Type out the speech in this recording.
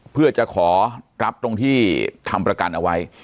เพื่อจะขอรับตรงที่ทำประกันเอาไว้